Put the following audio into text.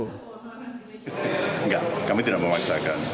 enggak kami tidak memaksakan